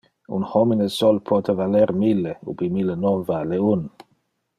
Un homine sol pote valer mille, ubi mille non vale un.